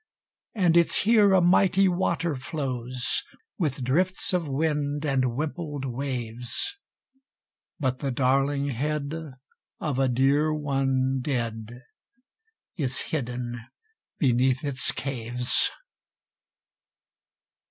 And it's here a mighty water flows, With drifts of wind and wimpled waves; But the darling head of a dear one dead Is hidden beneath its caves.